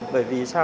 bởi vì sao